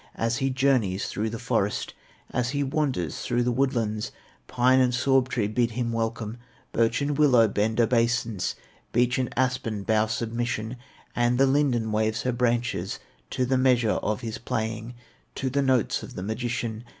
As he journeys through the forest, As he wanders through the woodlands, Pine and sorb tree bid him welcome, Birch and willow bend obeisance, Beech and aspen bow submission; And the linden waves her branches To the measure of his playing, To the notes of the magician.